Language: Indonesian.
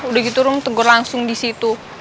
udah gitu lo tenggor langsung di situ